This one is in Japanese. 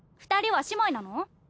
２人は姉妹なの？